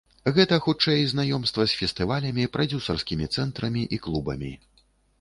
Гэта, хутчэй, знаёмства з фестывалямі, прадзюсарскімі цэнтрамі і клубамі.